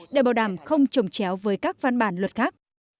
để bảo đảm không trồng chéo với các văn bản luật khác